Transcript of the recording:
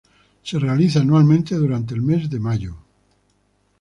Se realiza anualmente durante el mes de mayo.